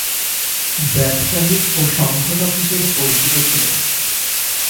ব্যবসায়ী ও সংগঠক হিসেবে পরিচিত ছিলেন।